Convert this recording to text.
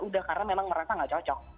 udah karena memang merasa nggak cocok